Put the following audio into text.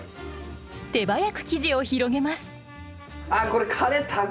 手早く生地を広げますあっ